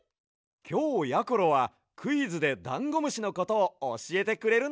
きょうやころはクイズでダンゴムシのことをおしえてくれるんだよね？